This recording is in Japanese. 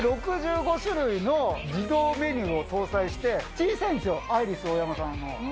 ６５種類の自動メニューを搭載して、小さいんですよ、アイリスオーヤマさんの。